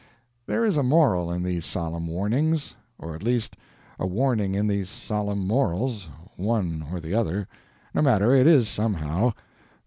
There is a moral in these solemn warnings or, at least, a warning in these solemn morals; one or the other. No matter, it is somehow.